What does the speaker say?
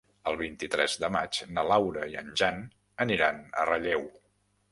El vint-i-tres de maig na Laura i en Jan aniran a Relleu.